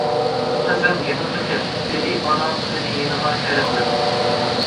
-قىزىم، يېنىمغا كەل، دېدى ئانا قىزىنى يېنىغا شەرەتلەپ.